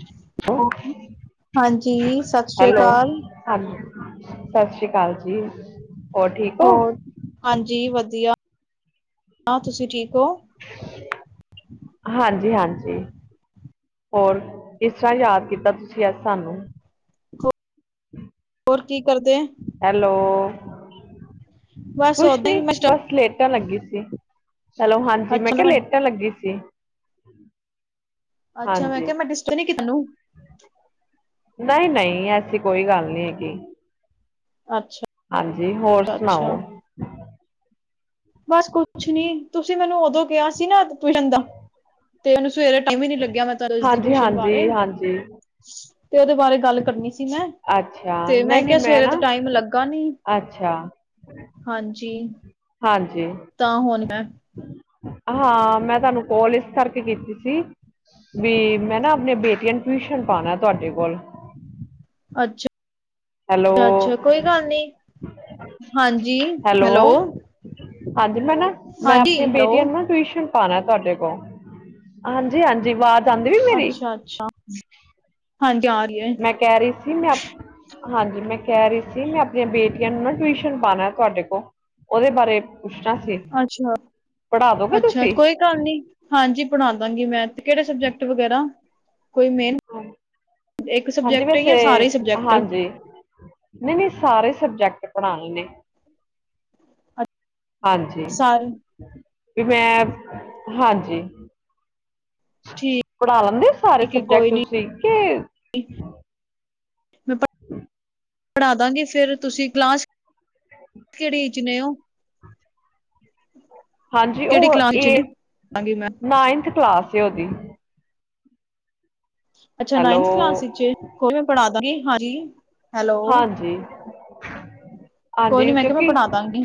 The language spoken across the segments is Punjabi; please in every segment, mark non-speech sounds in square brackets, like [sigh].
ਹੈਲੋ, ਹਾਂਜੀ ਸਤਿ ਸ੍ਰੀ ਹੈਲੋ ਅਕਾਲ। ਹਾਂਜੀ, ਸਤਿ ਸ੍ਰੀ ਅਕਾਲ ਜੀ। ਹੋਰ ਠੀਕ ਹੋ ਹੋਰ ਹਾਂਜੀ ਵਧੀਆ ਤੁਸੀਂ ਠੀਕ ਓ। ਹਾਂਜੀ, ਹਾਂਜੀ। ਹੋਰ ਕਿਸ ਤਰ੍ਹਾਂ ਯਾਦ ਕੀਤਾ ਤੁਸੀਂ ਅੱਜ ਸਾਨੂੰ? [inaudible] ਕੀ ਕਰਦੇ? ਹੈਲੋ ਬਸ ਕੁਛ ਓਦਾਂ ਨੀ ਹੀ ਮੈਂ ਬਸ ਲੇਟਾਂ ਲੱਗੀ ਸੀ। ਹੈਲੋ ਹਾਂਜੀ ਮੈਂ ਕਿਹਾ ਲੇਟਾਂ ਲੱਗੀ ਸੀ। ਅੱਛਾ ਮੈਂ ਹਾਂਜੀ ਕਿਹਾ ਮੈਂ ਡਿਸਟ ਤੁਹਾਨੂੰ। ਨਹੀਂ, ਨਹੀਂ ਐਸੀ ਕੋਈ ਗੱਲ ਨਹੀਂ ਹੈਗੀ। ਅੱਛਾ। ਹਾਂਜੀ। ਹੋਰ ਅੱਛਾ ਸੁਣਾਓ? ਬਸ ਕੁਛ ਨੀ ਤੁਸੀਂ ਮੈਨੂੰ ਉਦੋਂ ਕਿਹਾ ਸੀ ਨਾ ਟਿਉਸ਼ਨ ਦਾ। ਤੇ ਮੈਨੂੰ ਸਵੇਰੇ ਟਾਈਮ ਹੀ ਨੀ ਲੱਗਿਆ ਮੈਂ ਤੁਹਾਨੂੰ ਇਸਦੀ ਹਾਂਜੀ ਟਿਊਸ਼ਨ ਹਾਂਜੀ ਬਾਰੇ। ਹਾਂਜੀ ਤੇ ਉਹਦੇ ਬਾਰੇ ਗੱਲ ਕਰਨੀ ਸੀ ਮੈਂ। ਅੱਛਾ ਤੇ ਮੈਂ ਨਹੀਂ ਨਹੀਂ ਕਿਹਾ ਸਵੇਰੇ ਨਾ ਤਾਂ ਟਾਈਮ ਲੱਗਾ ਨੀ ਅੱਛਾ ਹਾਂਜੀ ਹਾਂਜੀ। ਤਾਂ ਹੋਣ ਮੈਂ ਅਹਾਂ ਮੈਂ ਤੁਹਾਨੂੰ ਕੋਲ ਇਸ ਕਰਕੇ ਕੀਤੀ ਸੀ। ਵੀ ਮੈਂ ਨਾ ਆਪਨੇ ਬੇਟੀਆਂ ਨੂੰ ਟਿਊਸ਼ਨ ਪਾਉਣਾ ਤੁਹਾਡੇ ਕੋਲ। ਹੈਲੋ ਅੱਛਾ ਅੱਛਾ ਕੋਈ ਗੱਲ ਨੀ। ਹਾਂਜੀ ਹੈਲੋ। ਅੱਜ ਮੈਂ ਨਾ ਮੈਂ ਹਾਂਜੀ ਆਪਣੀਆਂ ਹੈਲੋ ਬੇਟੀਆਂ ਨੂੰ ਨਾ ਟਿਊਸ਼ਨ ਪਾਣਾ ਤੁਆਡੇ ਕੋਲ, ਹਾਂਜੀ ਹਾਂਜੀ ਵਾਰ ਅੱਛਾ ਅੱਛਾ ਹਾਂਜੀ ਆ ਰੀ ਏ। ਮੈਂ ਕਹਿ ਰਹੀ ਸੀ ਮੈਂ ਅਪ ਹਾਂਜੀ ਮੈਂ ਕਹਿ ਰਹੀ ਸੀ ਮੈਂ ਆਪਨੀਆਂ ਬੇਟੀਆਂ ਨੂੰ ਨਾ ਟਿਊਸ਼ਨ ਪਾਉਣਾ ਤੁਹਾਡੇ ਕੋਲ ਉਹਦੇ ਬਾਰੇ ਪੁੱਛਨਾ ਸੀ ਅੱਛਾ। ਪੜ੍ਹਾ ਦੋਗੇ ਅੱਛਾ, ਤੁਸੀਂ। ਕੋਈ ਗਲ ਨੀ ਹਾਂਜੀ ਪੜ੍ਹਾ ਦਾਂਗੀ ਮੈ ਕਿਹੜੇ ਸਬਜੈਕਟ ਵਗੈਰਾ। ਕੋਈ ਮੇਨ, ਇੱਕ ਸਬਜੈਕਟ ਜਾਂ ਸਾਰੇ ਸਬਜੈਕਟ। ਨਈ - ਨਈ ਸਾਰੇ ਸਬਜੈਕਟ ਪੜ੍ਹਾਣੇ ਨੇ। ਹਾਂਜੀ ਸਾਰੇ, ਵੀ ਮੈਂ ਹਾਂਜੀ। ਠੀਕ ਪੜ੍ਹਾ ਲੈਂਦੇ ਉਹ ਸਾਰੇ ਏ ਸਬਜੈਕਟ ਕੋਈ ਨੀ, ਤੁਸੀ ਕੇ [inaudible] ਪੜਾਦਾਂਗੇ ਫੇਰ ਤੁਸੀਂ ਕਲਾਸ ਕਿਹੜੀ ਚ ਨੇ ਉਹ। [inaudible] ਹਾਂਜੀ। ਕਿਹੜੀ ਕਲਾਸ ਉਹ ਏ ਇਚ ਨੇ? ਦਾਂਗੀ ਮੈਂ, ਨਾਈਨਥ ਕਲਾਸ ਐ ਉਹਦੀ। ਅੱਛਾ ਹੈਲੋ ਨਾਈਨਥ ਕਲਾਸ ਵਿਚ ਏ ਕੋਈ ਮੈ ਪੜਦਾਂਗੀ ਹਾਂਜੀ। ਹੈਲੋ, ਹਾਂਜੀ - ਕੋਈ ਨੀ ਹਾਂਜੀ ਮੈਂ ਕਿਹਾ ਮੈਂ ਕਿਉਂਕਿ। ਪੜ੍ਹਾ ਦਾਂਗੀ,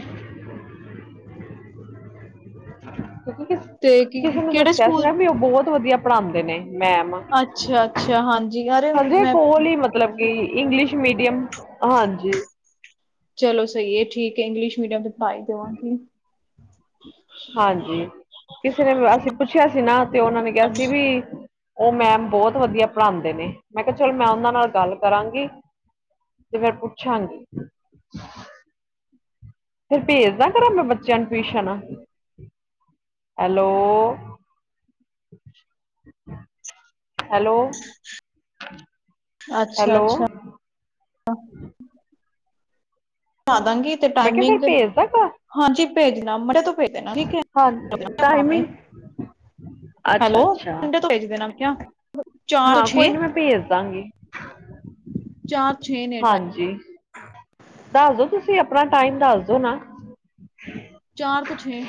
ਕੁਕਿਕਿ ਕਿਸ ਤੇ ਕੀ ਕਿਸੇ ਨੂੰ ਕਿਹੜੇ ਦੱਸਿਆ ਸੀ ਨਾ ਸਕੂਲ ਵੀ ਉਹ ਬਹੁਤ ਵਧੀਆ ਪੜ੍ਹਾਉਂਦੇ ਨੇ ਮੈਮ। ਅੱਛਾ - ਅੱਛਾ ਹਾਂਜੀ ਅਰੇ ਮੈਂ। ਫੁਲੀ ਮਤਲਬ ਕਿ ਇੰਗਲਿਸ਼ ਮੀਡੀਅਮ ਹਾਂਜੀ। ਚਲੋ ਸਹੀ ਏ ਠੀਕ ਏ ਇੰਗਲਿਸ਼ ਮੀਡੀਅਮ ਤੇ ਪਾਈ ਦਵਾਂਗੀ। ਹਾਂਜੀ। ਕਿਸੇ ਨੇ ਅਸੀਂ ਪੁੱਛਿਆ ਸੀ ਨਾ ਤੇ ਉਹਨਾਂ ਨੇ ਕਿਹਾ ਸੀ ਵੀ ਉਹ ਮੈਮ ਬਹੁਤ ਵਧੀਆ ਪੜ੍ਹਾਉਂਦੇ ਨੇ ਮੈਂ ਕਿਹਾ ਚਲ ਮੈਂ ਉਹਨਾਂ ਨਾਲ ਗੱਲ ਕਰਾਂਗੀ। ਤੇ ਮੈ ਪੁੱਛਾਗੀ। ਫਿਰ ਭੇਜਦਾ ਕਰਾਂ ਮੈਂ ਬੱਚੇਆਂ ਨੂੰ ਟਿਊਸ਼ਨ। ਹੈਲੋ। ਹੈਲੋ। ਅੱਛਾ - ਹੈਲੋ ਅੱਛਾ। ਪਡੵਾਦਾਂਗੀ ਤੇ ਮੈਂ ਕਿਹਾ ਫਿਰ ਟਾਈਮਿੰਗ ਭੇਜਦਾ ਕਰ ਹਾਂਜੀ ਭੇਜਨਾ ਭੇਜ ਦੇਨਾ ਠੀਕ ਏ ਹਾਂ ਮਤਲਬ ਮਾਵੇ। ਟਾਈਮਿੰਗ ਹੈਲੋ ਅੱਛਾ ਅੱਛਾ ਸਂਡੇ ਤੋਂ ਭੇਜ ਦੇਨਾ ਚਾਰ ਤੋਂ ਹਾਂ ਛੇ। ਕੋਈ ਨੀ ਮੈਂ ਭੇਜ ਦਾਂਗੀ ਚਾਰ ਛੇ। ਨੇ ਟਾਈਮ ਹਾਂਜੀ। ਦੱਸ ਦੋ ਤੁਸੀਂ ਅਪਨਾ ਟਾਈਮ ਦੱਸ ਦੋ ਨਾ। ਚਾਰ ਤੋਂ ਛੇ।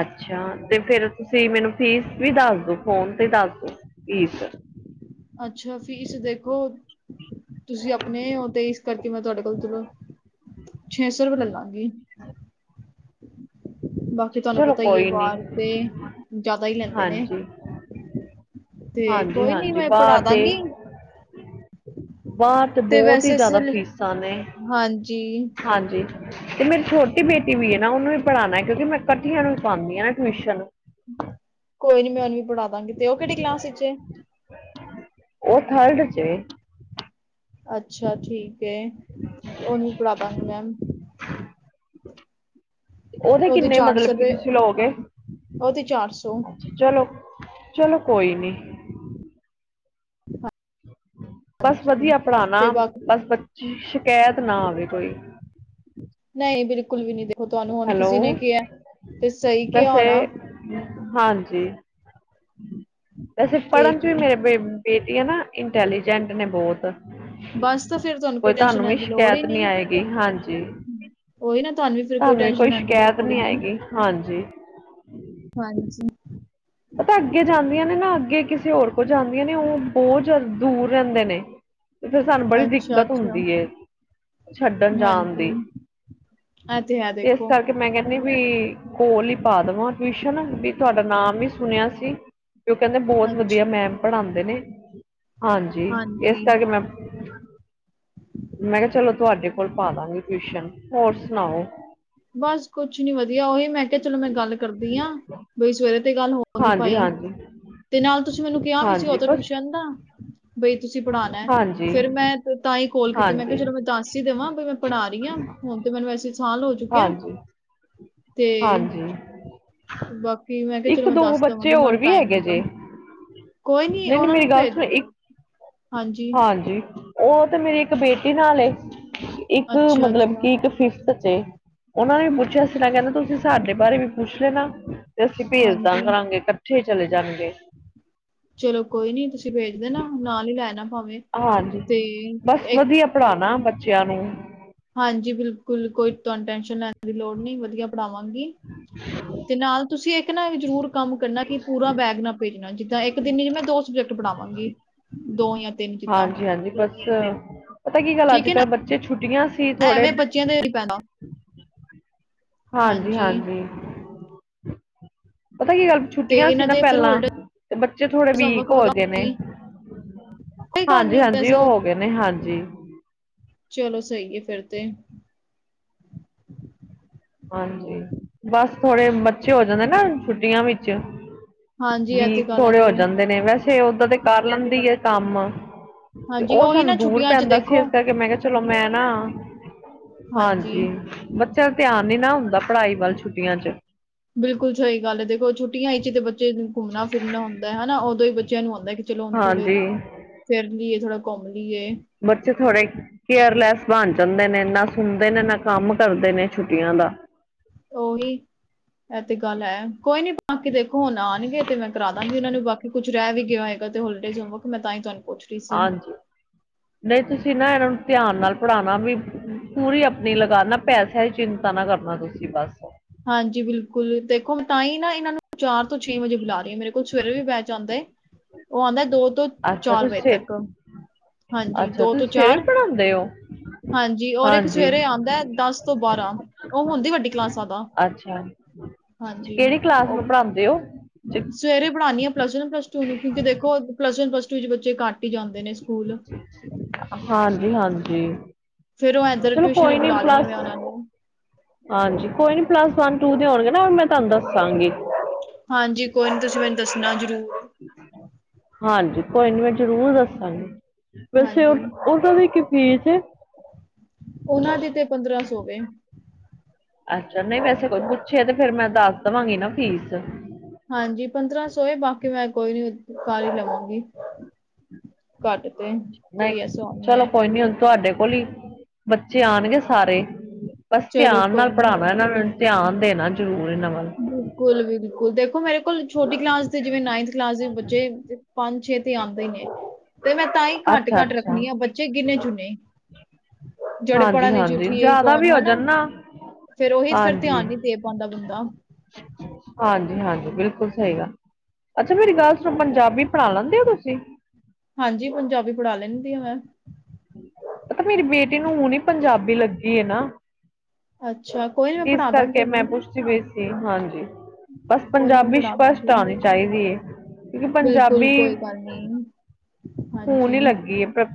ਅੱਛਾ। ਤੇ ਫੇਰ ਤੁਸੀਂ ਮੈਨੂੰ ਫੀਸ ਵੀ ਦੱਸ ਦੋ ਫੋਨ ਤੇ ਦੱਸ ਦੋ। ਫੀਸ। ਅੱਛਾ ਫੀਸ ਦੇਖੋ ਤੁਸੀਂ ਅਪਨੇ ੳਦੇ ਇਸ ਕਰਕੇ ਮੈਂ ਤੁਹਾਡੇ ਕੋਲ ਚਲੋ ਛੇ ਸੌ ਰੁਪਏ ਲੈ ਲਾਂਗੀ ਬਾਕੀ ਤੁਹਾਨੂੰ ਚਲੋ ਪਤਾ ਹੀ ਏ ਕੋਈ ਨੀ ਬਾਰ ਤੇ ਜਿਆਦਾ ਈ ਲੈਂਦੇ ਨੇ। ਹਾਂਜੀ ਤੇ ਹਾਂਜੀ ਕੋਈ ਨੀ ਹਾਂਜੀ ਮੈਂ ਪੜ੍ਹਾ ਬਾਹਰ ਤੇ ਦਾਂਗੀ। ਬਾਹਰ ਤੇ ਬਹੁਤ ਹੀ ਵੈਸੇ ਜਾਅਦਾ ਸਿਲ ਫੀਸਾਂ ਨੇ ਹਾਂਜੀ ਹਾਂਜੀ। ਤੇ ਮੇਰੀ ਛੋਟੀ ਬੇਟੀ ਵੀ ਏ ਨਾ ਉਹਨੂੰ ਵੀ ਪੜ੍ਹਾਣਾ ਕਿਉਂਕਿ ਮੈਂ ਇਕੱਠੀਆਂ ਨੂੰ ਵੀ ਪਾਂਦੀ ਆ ਨਾ ਟਿਊਸ਼ਨ। ਕੋਈ ਨੀ ਮੈਂ ਉਹਨੂੰ ਵੀ ਪੜਾ ਦਾ ਗੀ ਤੇ ਉਹ ਕਿਹੜੀ ਕਲਾਸ ਚ ਏ। ਓ ਥ੍ਰਡਚ ਏ। ਅੱਛਾ ਠੀਕ ਹੈ ਓਨੂੰ ਵੀ ਪਢਾ ਦਾਂਗੀ ਮੈਂ [inaudible] ਓਦੇ ਉਹਦੀ ਕਿੰਨੇ ਚਾਰ ਸੌ ਮਤਲਬ ਰੁਪਏ ਤੂਸੀ ਲੋਗੇ? ਉਹਦੀ ਚਾਰ ਸੌ ਚਲੋ - ਚਲੋ ਕੋਈ ਨੀ। ਬਸ ਹਾਂਜੀ ਵਦੀਆ ਪੜਾਨਾ ਤੇ ਬਾਕੀ ਬਸ ਸ਼ਕੈਤ ਨਾ ਆਵੇ ਕੋਈ। ਨਹੀ ਬਿਲਕੁਲ ਵੀ ਨੀ ਦੇਖੋ ਤੂਹਾਨੂ ਹੁਨ ਹੈਲੋ ਕਿਸੇ ਨੇ ਕਿਆ ਤੇ ਸਈ ਕਿਆ ਵੈਸੇ ਹੋਨਾ। ਹਾਂਜੀ। ਵੈਸੇ ਤੇ ਪਢਨ ਚ ਵੀ ਕੀ- ਮੇਰੇ ਬੇਟੀ ਏਨਾ ਇੰਟੈਲੀਜੈਂਟ ਨੇ ਬਹੁਤ। ਬਸ ਤਾਂ ਫਿਰ ਤੁਹਾਨੂੰ ਕੋਈ ਕੋਈ ਟੈਨਸ਼ਨ ਤਹਾਨੂ ਵੀ ਲੈਣ ਦੀ ਲੋੜ ਹੀ ਸ਼ਕੈਤ ਨੀ ਆਏਗੀ, ਹਾਂਜੀ। ਉਹੀ ਨਾ ਤੁਹਾਨੂੰ ਫਿਰ ਤੂਹਾਨੂ ਵੀ ਟੈਨਸ਼ਨ ਕੋਈ ਲੈਣ ਦੀ ਸ਼ਕੈਤ ਲੋੜ ਹੀ ਨੀ ਆਏਗੀ, ਹਾਂਜੀ। ਹਾਂਜੀ। ਪਤਾ ਅਗੇ ਜਾਂਦੀਆਂ ਨੇ ਨਾ ਅਗੇ ਕਿਸੇ ਹੋਰ ਕੋਲ ਜਾਂਦੀਆਂ ਨੇ ਓ ਬਹੁਤ ਜਾ ਦੂਰ ਰੈਂਦੇ ਨੇ। ਤੇ ਫੇਰ ਸਾਨੂ ਬੜੀ ਅੱਛਾ ਦਿੱਕਤ ਅੱਛਾ ਹੁੰਦੀ ਏ ਛੱਡਨ ਜਾਨ ਦੀ। ਐ ਤੇ ਹੈ ਇਸ ਦੇਖੋ ਕਰਕੇ ਮੈਂ ਕੈਂਦੀ ਵੀ, ਕੋਲ ਈ ਪਾ ਦਵਾਂ ਟਵੀਸ਼ਨ ਵੀ ਤੂਆਡਾ ਨਾਮ ਵੀ ਸੁਨੇਆ ਸੀ ਕਿ ਓ ਕੈਂਦੇ ਬੋਤ ਅੱਛਾ ਵਦੀਆ ਮੈਮ ਪੜਾਂਦੇ ਨੇ ਹਾਂਜੀ, ਏਸ ਹਾਂਜੀ ਕਾਰਕੇ ਮੈਂ ਮੈਂ ਕਿਹਾ ਚਲੋ ਤੁਹਾਡੇ ਕੋਲ ਪਾ ਦਾਂਗੀ ਟਿਊਸ਼ਨ ਹੋਰ ਸੁਣਾਓ। ਬਸ ਕੁਛ ਨੀ ਵਦਿਆ ਉਹੀ ਮੈਂ ਕਿਹਾ ਚਲੋ ਮੈਂ ਗੱਲ ਕਰਦੀ ਆਂ ਬਈ ਸਵੇਰੇ ਤੇ ਗੱਲ ਹੋ ਉਹ ਨ ਹਾਂਜੀ ਭਾਈ ਹਾਂਜੀ। ਤੇ ਨਾਲ ਤੁਸੀਂ ਮੈਨੂੰ ਕਿਹਾ ਵੀ ਸੀ ਹਾਂਜੀ ਉਦੋਂ ਬਸ ਟਿਊਸ਼ਨ ਦਾ ਬਈ ਤੁਸੀਂ ਪੜ੍ਹਾਣਾ ਹਾਂਜੀ ਫੇਰ ਮੈਂ ਤਾਂ ਈ ਕੋਲ ਕੀਤੀ ਮੈਂ ਕਿਹਾ ਹਾਂਜੀ। ਚਲੋ ਮੈ ਦਸ ਈ ਦੇਵਾਂ ਮੈਂ ਬਈ ਪੜਾ ਹੀ ਆਂ ਹੁਣ ਤੇ ਮੈਨੂੰ ਐਸੀ ਸਾਲ ਹੋ ਜਾ ਹਾਂਜੀ। ਤੇ ਹਾਂਜੀ ਬਾਕੀ ਮੈਂ ਕੇਆ ਚਲੋ ਇੱਕ ਮੈਂ ਦੋ ਦੱਸ ਬੱਚੇ ਦਵਾਂਗੀ ਹੋਰ ਨਾਲ ਵੀ ਟਾਈਮ ਹੈਗੇ ਜੇ ਵੀ। ਕੋਈ ਨੀ ਨਹੀਂ ਨਹੀਂ ਓਨਾਂ ਨੂ ਮੇਰੀ ਵੀ ਗੱਲ ਭੇਜ ਸੁਣ ਦੋ, ਇੱਕ ਹਾਂਜੀ। ਹਾਂਜੀ, ਓ ਤੇ ਮੇਰੀ ਇਕ ਬੇਟੀ ਨਾਲਏ। ਇਕ, ਅੱਛਾ ਮਤਲਬ ਅੱਛਾ ਕਿ ਇਕ ਫਿਫ਼ਤ ਚ ਏ। ਓਨਾਂ ਨੇ ਪੁੱਛੇਆ ਸੀ ਨਾ ਕੇਂਦੇ ਤੂਸੀ ਸਾਡੇ ਬਾਰੇ ਵੀ ਪੁੱਛ ਲੇਨਾ ਤੇ ਅਸੀ ਭੇਜਦਾ ਹਾਂਜੀ ਕਰਾਂਗੇ। ਕੱਠੇ ਚਲੇ ਜਾਨਗੇ। ਚਲੋ ਕੋਈ ਨੀ ਤੂਸੀ ਭੇਜਦੇਨਾ ਨਾਲ ਈ ਲੇ ਆਣਾ ਭਾਵੇਂ। ਹਾਂਜੀ, ਤੇ ਬਸ ਇੱਕ ਵਦੀਆ ਪਢਾਨਾ ਬੱਚੇਆ ਨੂ। ਹਾਂਜੀ ਬਿਲਕੁਲ ਕੋਈ ਤੁਆਨੂੰ ਟੈਨਸ਼ਨ ਲੈਨ ਦੀ ਲੋੜ ਨਈ ਵਦੀਆ ਪਢਾਵਾਂਗੀ, ਤੇ ਨਾਲ ਤੂਸੀ ਏਕ ਨਾ ਏਵੀ ਜਰੂਰ ਕੰਮ ਕਰਨਾ ਕਿ ਪੂਰਾ ਬੈਗ ਨਾ ਭੇਜਨਾ ਜਿੱਦਾਂ ਇਕ ਦਿਨ ਇਚ ਮੈਂ ਦੋ ਸਬਜੈਕਟ ਪਢਾਵਾਂਗੀ, ਦੋ ਯਾ ਹਾਂਜੀ, ਹਾਂਜੀ ਬਸ, ਪਤਾ ਕੀ ਗਲ ਅਜ ਠੀਕ ਹੈ ਨਾ, ਕਲ ਬੱਚੇ ਛੁੱਟੀਆਂ ਸੀ ਥੋੜੇ ਐਵੇਂ ਬੱਚੇਆਂ ਤੇ ਨੀ ਪੈਨਾ ਹਾਂਜੀ, ਹਾਂਜੀ ਪਤਾ ਕੀ ਗਲ ਤੇ ਛੁੱਟੀਆਂ ਸੀ ਇਹਨਾਂ ਨਾ ਦੇ ਫਿਰ ਪੈਲਾਂ, ਹੋਲੀਡੇਜ਼ ਤੇ ਬੱਚੇ ਥੋੜੇ ਵੀਕ ਹੋਮਵਰਕ ਵਗੈਰਾ ਹੋਗੇ ਨੇ ਜੀ ਕੋਈ ਗੱਲ ਹਾਂਜੀ, ਨਹੀਂ ਹਾਂਜੀ ਓ ਵੈਸੇ ਹੋਗਏ ਨੇ ਹਾਂਜੀ। ਚਲੋ ਸਈਏ ਫੇਰ ਤੇ। ਹਾਂਜੀ, ਬਸ ਥੋੜੇ ਬੱਚੇ ਹੋ ਜਾਂਦੇ ਨਾ ਛੁੱਟੀਆਂ ਵਿਚ ਹਾਂਜੀ ਇਹ ਤੇ ਵੀਕ ਗੱਲ ਹੈ ਥੋੜੇ ਹੋ ਜਾਂਦੇ ਨੇ ਵੈਸੇ ਓਦਾਂ ਤੇ ਕਰ ਲੈਂਦੀ ਏ ਕੰਮ। ਤੇ ਹਾਂਜੀ ਓ ਉਹੀ ਸਾਨੂ ਨਾ ਦੂਰ ਛੁੱਟੀਆਂ 'ਚ ਪੈਂਦਾ ਸੀ ਦੇਖੋ ਏਸ ਕਾਰਕੇ ਮੈਂ ਕੇਆ ਚਲੋ ਮੈਂ ਨਾ ਹਾਂਜੀ, ਬੱਚੇਆਂ ਦਾ ਧੇਆਨ ਨੀ ਨਾ ਹੁੰਦਾ ਪਢਾਈ ਵਲ ਛੁੱਟੀਆਂ ਚ ਬਿਲਕੁਲ ਸਈ ਗਲ ਏ ਦੇਖੋ ਛੁੱਟੀਆਂ ਇਚ ਏਤੇ ਬੱਚੇ ਨੇ ਘੁੰਮਨਾ ਫਿਰਨਾ ਹੁੰਦੈ ਹਨਾ ਓਦੋਂ ਈ ਬੱਚੇਆਂ ਨੂ ਹੋਂਦਾ ਚਲੋ ਹੁਨ ਥੋੜੇ, ਹਾਂਜੀ ਫੇਰਲੀਏ ਥੋੜਾ ਘੁੰਮ ਲੀਏ। ਬੱਚੇ ਥੋੜੇ ਕੇਅਰਲੈਸ ਬਨ ਜਾਂਦੇ ਨੇ, ਨਾ ਸੁਨਦੇ ਨੇ, ਨਾ ਕੰਮ ਕਰਦੇ ਨੇ ਛੁੱਟੀਆਂ ਦਾ। ਉਹੀ ਇਹ ਤੇ ਗੱਲ ਹੈ ਕੋਈ ਨੀ ਬਾਕੀ ਦੇਖੋ ਹੁਣ ਆਉਣਗੇ ਤੇ ਮੈਂ ਕਰਾ ਦਾਂਗੀ ਉਹਨਾਂ ਨੂੰ ਬਾਕੀ ਕੁੱਛ ਰਹਿ ਵੀ ਗਿਆ ਹੋਏ ਤੇ ਹੋਲੀਡੇਜ ਹੋਮਵਰਕ ਮੈਂ ਤਾਂ ਹੀ ਤਹਾਨੂੰ ਪੁੱਛ ਰਹੀ ਸੀ ਹਾਂਜੀ ਨਹੀਂ ਤੁਸੀਂ ਨਾ ਇਹਨਾਂ ਨੂੰ ਧਿਆਨ ਨਾਲ ਪੜ੍ਹਾਉਣਾ ਵੀ ਪੂਰੀ ਆਪਣੀ ਲਗਾ ਨਾ ਪੈਸਿਆਂ ਚਿੰਤਾ ਨਾਂ ਕਰਨਾ ਤੁਸੀਂ ਬਸ ਹਾਂਜੀ ਬਿਲਕੁਲ ਦੇਖੋ ਮੈਂ ਤਾਂ ਹੀ ਨਾ ਇਹਨਾਂ ਨੂੰ ਚਾਰ ਤੋਂ ਛੇ ਵਜੇ ਬੁਲਾ ਰਹੀ ਹਾਂ ਮੇਰੇ ਕੋਲ ਸਵੇਰੇ ਵੀ ਜਾਂਦੇ ਉਹ ਆਉਂਦਾ ਐ ਤੋਂ ਅੱਛਾ ਚਾਰ ਵਜੇ ਤੁਸੀਂ ਤੱਕ ਹਾਂਜੀ ਅੱਛਾ ਦੋ ਤੁਸੀਂ ਤੋਂ ਸਵੇਰੇ ਚਾਰ ਵੀ ਪੜ੍ਹਾਉਂਦੇ ਹੋ ਹਾਂਜੀ ਔਰ ਇੱਕ ਹਾਂਜੀ ਸਵੇਰੇ ਆਉਂਦਾ ਦਸ ਤੋਂ ਬਾਰਾਂ ਉਹ ਹੁੰਦੀ ਵੱਡੀ ਕਲਾਸਾਂ ਤਾਂ ਅੱਛਾ ਹਾਂਜੀ ਉਹ ਦਿੳ ਸਵੇਰੇ ਪੜਾਣੀ ਆ ਪਲੱਸ ਵਨ ਪਲਸੂਟੂ ਕਿਉਂਕਿ ਦੇੋ ਪਲੱਸ ਵਨ ਪਲੱਸ ਟੂ ਚ ਬੱਚੇ ਘੱਟ ਹੀ ਜਾਂਦੇ ਨੇ ਸਕੂਲ ਹਾਂਜੀ ਹਾਂਜੀ ਫੇਰ ਉਹ ਇੱਧਰ ਚਲੋ ਟਿਊਸ਼ਨ ਹੀ ਕੋਈ ਨੀ ਬੁਲਾ ਲੈਨੀਂ ਮੈਂ ਪਲੱਸ ਉਹਨਾਂ ਨੂੰ ਹਾਂਜੀ ਕੋਈ ਨੀ ਪਲੱਸ ਵਨ ਟੂ ਦੇ ਹੋਣਗੇ ਨਾ ਮੈਂ ਤੁਹਾਨੂੰ ਦੱਸਾਂਗੀ ਹਾਂਜੀ ਕੋਈ ਨੀ ਤੁਸੀਂ ਮੈਨੂੰ ਦੱਸਣਾ ਜ਼ਰੂਰ ਹਾਂਜੀ ਕੋਈ ਨੀਂ ਮੈਂ ਜ਼ਰੂਰ ਦੱਸਾਂਗੀ ਵੈਸੇ ਉਹਦਾ ਦੀ ਕੀ ਫੀਸ ਓਨਾਂ ਦੀ ਤੇ ਪੰਦਰਾ ਸੌ ਵੇ। ਅੱਛਾ, ਨਈ ਵੈਸੇ ਕੋਈ ਪੁੱਛੇ ਤੇ, ਫੇਰ ਮੈਂ ਦਸ ਦਵਾਂਗੀ ਨਾ ਫੀਸ। ਹਾਂਜੀ ਪੰਦਰਾਂ ਸੌ ਏ ਬਾਕੀ ਮੈਂ ਕੋਈ ਨੀ ਓ ਕਾਰ ਈ ਲਵਾਂਗੀ। ਘੱਟ ਤੇ ਨਈ, ਕੋਈ ਐਸਾ ਨਹੀਂ ਚਲੋ ਹੈ ਕੋਈ ਨੀ ਹੁਨ ਤੁਹਾਡੇ ਕੋਲ ਹੀ ਬੱਚੇ ਆਉਣਗੇ ਸਾਰੇ ਬਸ ਚਲੋ ਧਿਆਨ ਨਾਲ ਕੋਈ ਨੀ ਪੜ੍ਹਾਉਣਾ ਇਹਨਾਂ ਨੂੰ ਧਿਆਨ ਦੇਣਾ ਜ਼ਰੂਰ ਇਹਨਾਂ ਵੱਲ ਬਿਲਕੁਲ ਬਿਲਕੁਲ ਦੇਖੋ ਮੇਰੇ ਬਿਲਕੁਲ ਛੋਟੀ ਕਲਾਸ ਤੇ ਜਿਵੇਂ ਨਾਈਥ ਕਲਾਸ ਦੇ ਬੱਚੇ ਪੰਜ ਛੇ ਤੇ ਆਉਂਦੇ ਹੀ ਨੇ ਤੇ ਮੈਂ ਤਾਂ ਹੀ ਘੱਟ ਅੱਛਾ ਘੱਟ ਅੱਛਾ ਰੱਖਣੀ ਆ ਬੱਚੇ ਗਿੰਨੇ ਚੁਨੇ ਜਿਹੜੇ ਹਾਂਜੀ ਪੜ੍ਹਨ ਵਿੱਚ ਹਾਂਜੀ ਠੀਕ ਜ਼ਿਆਦਾ ਹੋਣ ਵੀ ਹੋ ਹਨਾ ਜਾਣ ਨਾ ਫੇਰ ਉਹੀ ਫੇਰ ਹਾਂਜੀ ਧਿਆਨ [inaudible] ਤੇ ਬਾਦਾ ਬੂੰਦਾ ਹਾਂਜੀ ਹਾਂਜੀ ਬਿਲਕੁਲ ਸਹੀ ਗੱਲ ਅੱਛਾ ਮੇਰੀ ਗੱਲ ਸੁਣੋਂ ਪੰਜਾਬੀ ਪੜ੍ਹਾ ਲੈਂਦੇ ਹੋ ਤੁਸੀਂ ਹਾਂਜੀ ਪੰਜਾਬੀ ਪੜ੍ਹਾ ਲੈਂਦੀ ਆ ਮੈਂ ਪਤਾ ਮੇਰੀ ਬੇਟੇ ਨੂੰ ਹੁਣੇ ਹੀ ਪੰਜਾਬੀ ਲੱਗੀ ਨਾਂ ਅੱਛਾ, ਕੋਈ ਨੀ ਮੈਂ ਇਸ ਪੜ੍ਹਾ ਦਾਂਗੀ ਕਰਕੇ ਮੈਂ ਉਹਨੂੰ, ਪੁੱਛਦੀ ਪਈ ਸੀ ਹਾਂਜੀ ਬਸ ਕੋਈ ਨੀ ਮੈਂ ਪੰਜਾਬੀ ਪੜ੍ਹਾ ਛਪਸ਼ਟ ਦਾਂਗੀ, ਆਉਣੀ ਚਾਹੀਦੀ ਹੈ ਕਿਉਂਕਿ ਬਿਲਕੁਲ ਪੰਜਾਬੀ ਕੋਈ ਗੱਲ ਨੀ ਹੁਣ ਹਾਂਜੀ ਹੀ ਲੱਗੀ ਹੈ ਪ-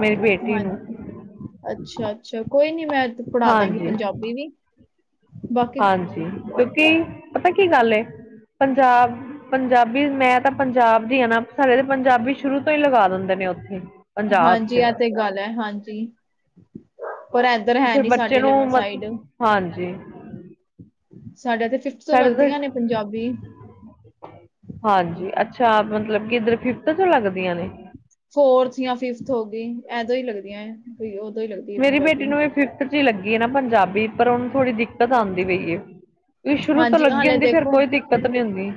ਮੇਰੀ ਬੇਟੀ ਨੂੰ ਅੱਛਾ ਅੱਛਾ ਕੋਈ ਨੀ ਮੈਂ ਪੜ੍ਹਾਦਾ ਗੀ ਹਾਂਜੀ ਪੰਜਾਬੀ ਵੀ ਬਾਕੀ ਹਾਂਜੀ ਕਿਉਂਕਿ ਪਤਾ ਕੀ ਗੱਲ ਏ ਪੰਜਾਬ ਪੰਜਾਬੀ ਮੈਂ ਤਾਂ ਪੰਜਾਬ ਦੀ ਹਨਾ ਸਾਡੇ ਤਾਂ ਪੰਜਾਬੀ ਸ਼ੁਰੂ ਤੋਂ ਹੀ ਲਗਾ ਦਿੰਦੇ ਨੇ ਉੱਥੇ ਪੰਜਾਬ ਹਾਂਜੀ ਚ ਇਹ ਤੇ ਗੱਲ ਹੈ ਹਾਂਜੀ ਪਰ ਏਧਰ ਹੈ ਫਿਰ ਨੀ ਬੱਚੇ ਸਾਡੇ ਨੂੰ ਵਾਲ਼ੀ ਸਾਈਡ ਮਤਲਬ ਹਾਂਜੀ ਸਾਡੇ ਤੇ ਫਿਫਥ ਤੋਂ ਸਾਡੇ ਤਾਂ ਲੱਗਦੀਆਂ ਨੇ ਪੰਜਾਬੀ ਹਾਂਜੀ ਅੱਛਾ ਮਤਲਬ ਕਿ ਇੱਧਰ ਫਿਫਥ ਤੋਂ ਲੱਗਦੀਆਂ ਨੇ ਫੋਰਥ ਜਾਂ ਫਿਫਥ ਹੋ ਗਈ ਇਦਾਂ ਹੀ ਲੱਗਦੀਆ ਮੇਰੀ ਬੇਟੀ ਨੂੰ ਵੀ ਫਿਫਥ ਚ ਹੀ ਲੱਗੀ ਨਾ ਪੰਜਾਬੀ ਪਰ ਉਹਨੂੰ ਥੋੜੀ ਦਿੱ ਦਿੱਕਤ ਆਉਂਦੀ ਪਈਏ ਵੀ ਸ਼ੁਰੂ ਤੋਂ ਹਾਂਜੀ ਲੱਗੀ ਹਾਲੇ ਹੁੰਦੀ ਫੇਰ ਦੇਖੋ ਕੋਈ ਦਿੱਕਤ ਨੀ ਹੁੰਦੀ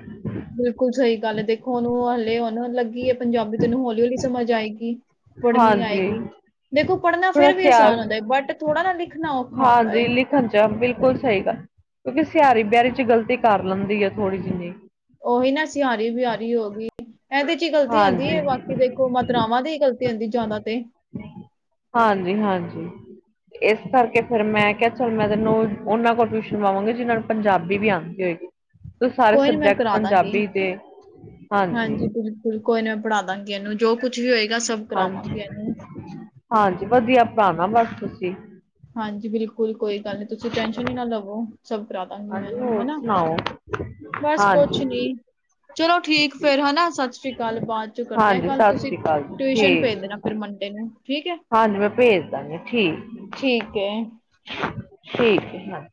ਬਿਲਕੁਲ ਸਹੀ ਗੱਲ ਹੈ ਦੇਖੋ ਉਹਨੂੰ ਹਲੇ ਲੱਗੀ ਹੈ ਪੰਜਾਬੀ ਤੈਨੂੰ ਹੌਲੀ ਹੌਲੀ ਸਮਝ ਆਏਗੀ ਪੜ੍ਹਨੀ ਹਾਂਜੀ ਆਏਗੀ ਦੇਖੋ ਪੜ੍ਹਨਾ ਥੋੜਾ ਫਿਰ ਵੀ ਆਸਾਨ ਸਿਆਲ ਹੁੰਦਾ ਬਟ ਥੋੜਾ ਨਾ ਲਿਖਣਾ ਔਖਾ ਹੁੰਦਾ ਹੈ ਖੰਚਾ ਬਿਲਕੁਲ ਸਹੀ ਗੱਲ ਕਿਉਂਕਿ ਸਿਆਰੀ, ਬਿਆਰੀ ਚ ਗ਼ਲਤੀ ਕਰ ਲੈਂਦੀ ਹੈ ਥੋੜ੍ਹੀ ਜਿੰਨੀ। ਉਹੀ ਨਾ ਸਿਆਰੀ, ਬਿਆਰੀ ਹੋ ਗਈ। ਇਹਦੇ ਚ ਹੀ ਗਲਤੀ ਹੁੰਦੀ ਹਾਂਜੀ ਹੈ ਬਾਕੀ ਦੇਖ। ਗੋ ਮਾਤਰਾਵਾਂ ਦੀ ਹੀ ਗਲਤੀ ਹੁੰਦੀ ਜ਼ਿਆਦਾ ਤੇ ਹਾਂਜੀ! ਹਾਂਜੀ! ਇਸ ਕਰਕੇ ਫੇਰ ਮੈਂ ਕਿਹਾ, ਚੱਲ ਮੈਂ ਤੈਨੂੰ ਉਹਨਾਂ ਕੋਲ ਟਿਊਸ਼ਨ ਲਗਾਵਾਂਗੀ ਜਿਹਨਾਂ ਨੂੰ ਪੰਜਾਬੀ ਵੀ ਆਉਂਦੀ। ਸਾਰੇ ਕੋਈ ਨੀ ਮੈਂ ਸਬਜੈਕਟ ਕਰਾ ਦਾਂਗੀ। ਪੰਜਾਬੀ ਦੇ ਹਾਂਜੀ। ਬਿਲਕੁਲ ਕੋਈ ਨਾ ਪੜ੍ਹਾਦਾ ਗੀ ਇਹਨੂੰ ਜੋ ਕੁੱਝ ਵੀ ਹੋਏਗਾ। ਸਭ ਹਾਂਜੀ, ਕਰਾਵਾਂਗੀ ਇਹਨੂੰ, ਹਾਂਜੀ! ਵਧੀਆ ਪੜਾਨਾ ਨਾ ਬਸ ਤੁਸੀਂ। ਹਾਂਜੀ ਬਿਲਕੁਲ ਕੋਈ ਗੱਲ ਨਹੀਂ। ਤੁਸੀਂ ਟੈਂਸ਼ਨ ਹੀ ਨਾ ਲਵੋ, ਸਭ ਕਰਾਦਾਂਗੀ ਮੈ ਹਾਂਜੀ ਹੋਰ ਹਣਾ ਸੁਣਾਓ ਬਸ ਕੁਛ ਹਾਂਜੀ ਨੀ। ਚਲੋ ਠੀਕ ਫੇਰ ਹਨਾ ਸਤਿ ਸ੍ਰੀ ਅਕਾਲ ਬਾਅਦ ਚ ਕਰਦੇ ਹਾਂ ਹਾਂਜੀ ਗੱਲ ਸਤਿ ਤੁਸੀਂ ਸ੍ਰੀ ਅਕਾਲ ਜੀ ਟਿਊਸ਼ਨ ਠੀਕ ਭੇਜ ਦੇਣਾ ਫੇਰ ਮੰਡੇ ਨੂੰ ਠੀਕ ਹੈ। ਹਾਂਜੀ ਮੈਂ ਭੇਜ ਦਾਂਗੀ ਠੀਕ। ਠੀਕ ਐ। ਠੀਕ ਹੈ ਹਾਂਜੀ